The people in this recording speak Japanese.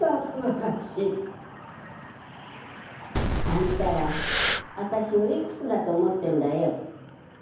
あんたら私をいくつだと思ってるんだよ。